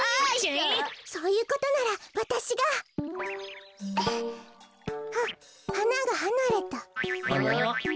そういうことならわたしが。ははながはなれた。